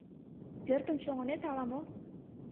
— Пӧртым чоҥынет ала-мо?